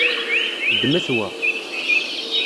Ddmet wa.